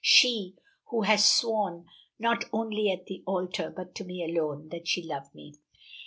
She, who has sworn, not only at the altar, but to me alone, that she loved me."